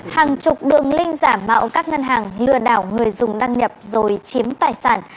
hàng chục đường link giả mạo các ngân hàng lừa đảo người dùng đăng nhập rồi chiếm tài sản